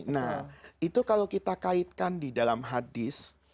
nah itu kalau kita kaitkan di dalam hadis